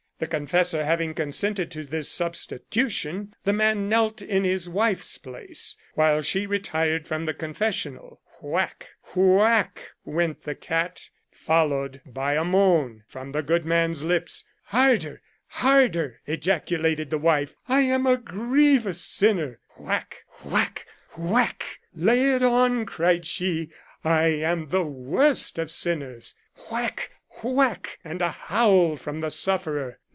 The confessor having consented to this substitution, the man knelt in his wife's place, while she retired from the confessional. Whack ! whack ! went the cat, followed by a moan from the good man's lips. " Harder !— harder !" ejaculated the wife ;" I am a grievous sinner !" Whack ! whack ! whack !" Lay it on !" cried she ;" I am the worst of sinners." Whack ! whack ! and a howl from the sufferer.